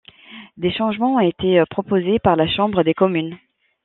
Des changements ont été proposés par la chambre des communes.